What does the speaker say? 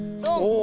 お。